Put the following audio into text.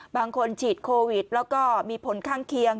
บางคนฉีดโควิดแล้วก็มีผลข้างเคียง